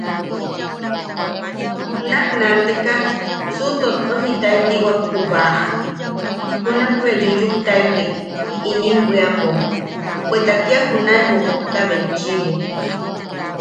Junak naateka suʼutottojitaitiwak Ju baʼa, junak bea yuyuktaitek inim bwiapo, bweta kia junae bobokta betchiʼibo.